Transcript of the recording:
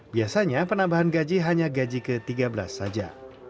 biasanya penambahan gaji hanya gaji ke tiga belas saja